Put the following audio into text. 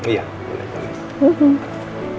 iya boleh boleh